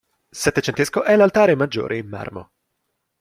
Settecentesco è l'altare maggiore in marmo.